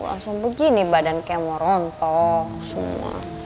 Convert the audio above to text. langsung begini badan kayak mau rontok semua